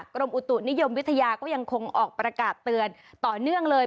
กรมอุตุนิยมวิทยาก็ยังคงออกประกาศเตือนต่อเนื่องเลย